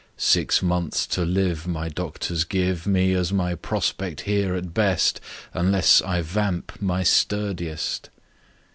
Six months to live My doctors give Me as my prospect here, at best, Unless I vamp my sturdiest!"